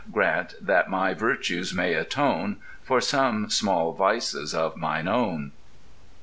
Grant that my virtues may atone For some small vices of mine own.